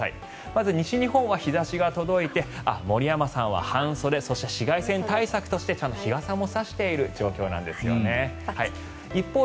まず西日本は日差しが届いて森山さんは半袖そして紫外線対策としてちゃんと日傘も差している状況ですね。